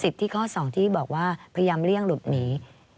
ที่ข้อ๒ที่บอกว่าพยายามเลี่ยงหลุดหนี